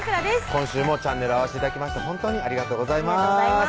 今週もチャンネル合わして頂きまして本当にありがとうございます